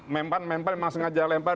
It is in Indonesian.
mem pan memang sengaja lempar